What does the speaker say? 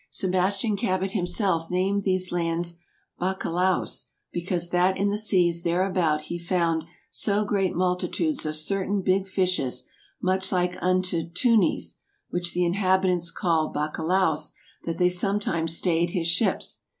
Sebas tian Cabot himselfe named those lands Baccalaos, because that in the Seas thereabout hee found so great multitudes of certaine bigge fishes much like vnto Tunies (which the inhabitants call Baccalaos) that they sometimes stayed his shippes.